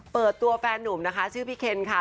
เปิดตัวแฟนนุ่มนะคะชื่อพี่เคนค่ะ